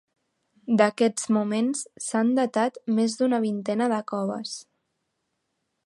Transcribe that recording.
D'aquests moments s'han datat més d'una vintena de coves.